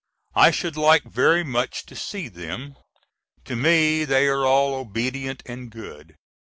I should like very much to see them. To me they are all obedient and good.